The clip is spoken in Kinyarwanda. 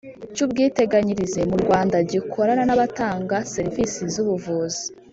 Cy ubwiteganyirize mu rwanda gikorana n abatanga serivisi z ubuvuzi